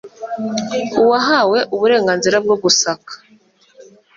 Uwahawe uburenganzira bwo gusaka